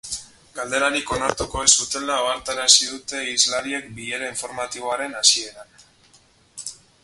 Galderarik onartuko ez zutela ohartarazi dute hizlariek bilera informatiboaren hasieran.